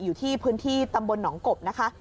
อยู่ที่พื้นที่ตำบลหนองกบนะคะ